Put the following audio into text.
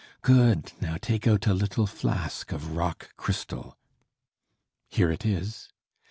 "Good! Now take out a little flask of rock crystal." "Here it is."